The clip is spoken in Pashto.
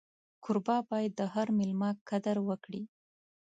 کوربه باید د هر مېلمه قدر وکړي.